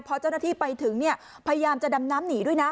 พอเจ้าหน้าที่ไปถึงเนี่ยพยายามจะดำน้ำหนีด้วยนะ